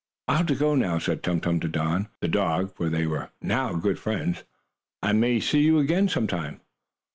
"I'll have to go now," said Tum Tum to Don, the dog, for they were now good friends. "I may see you again, sometime."